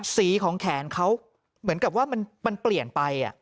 สีของแขนเขาเหมือนกับว่ามันเปลี่ยนไป